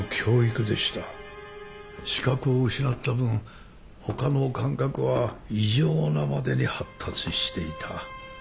視覚を失った分他の感覚は異常なまでに発達していた。